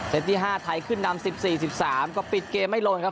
เซ็ตที่ห้าไทยขึ้นดำสิบสี่สิบสามก็ปิดเกมไม่ลงนะครับ